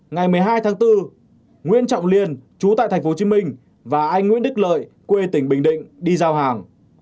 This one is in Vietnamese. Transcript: ngày một mươi hai tháng bốn nguyễn trọng liên chú tại tp hcm và anh nguyễn đức lợi quê tỉnh bình định đi giao hàng